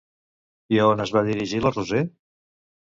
I a on es va dirigir la Roser?